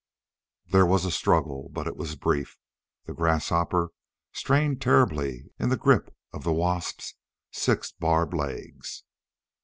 There was a struggle, but it was brief. The grasshopper strained terribly in the grip of the wasp's six barbed legs.